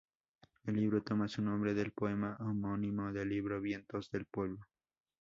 El libro toma su nombre del poema homónimo del libro "Vientos del pueblo".